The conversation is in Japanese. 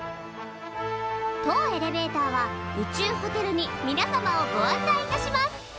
当エレベーターは宇宙ホテルにみなさまをご案内いたします！